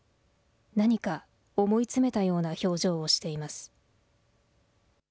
何か思いつめたような表情をしています。